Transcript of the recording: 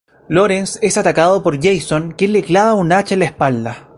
Lawrence es atacado por Jason, quien le clava un hacha en la espalda.